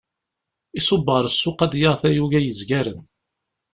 Iṣubb ar ssuq ad d-yaɣ tayuga n yezgaren.